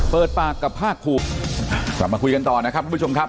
เปิดปากกับภาคภูมิกลับมาคุยกันต่อนะครับทุกผู้ชมครับ